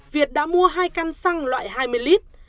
việt đã mua hai căn xăng loại hai mươi lít